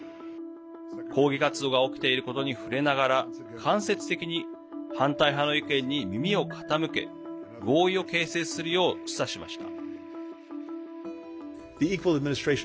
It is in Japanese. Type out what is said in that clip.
抗議活動が起きていることに触れながら、間接的に反対派の意見に耳を傾け合意を形成するよう示唆しました。